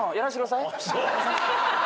そう。